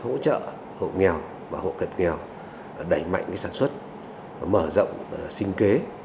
hỗ trợ hộ nghèo và hộ cận nghèo đẩy mạnh sản xuất mở rộng sinh kế